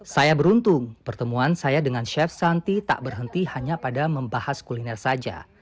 saya beruntung pertemuan saya dengan chef santi tak berhenti hanya pada membahas kuliner saja